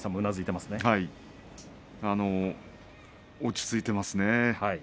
はい落ち着いていますね。